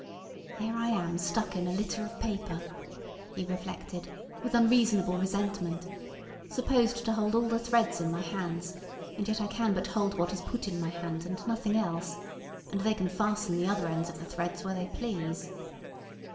"Here I am stuck in a litter of paper," he reflected, with unreasonable resentment, "supposed to hold all the threads in my hands, and yet I can but hold what is put in my hand, and nothing else. And they can fasten the other ends of the threads where they please."